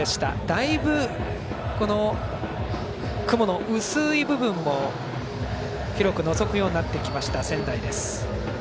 だいぶ、この雲の薄い部分も広くのぞくようになってきました仙台です。